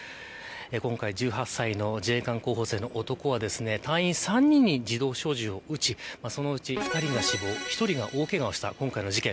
今回、１８歳の自衛官候補生の男は隊員３人に自動小銃を撃ちそのうち、２人が死亡１人が大けがをした今回の事件。